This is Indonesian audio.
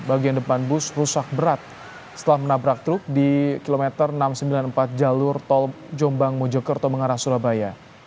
bagian depan bus rusak berat setelah menabrak truk di kilometer enam ratus sembilan puluh empat jalur tol jombang mojokerto mengarah surabaya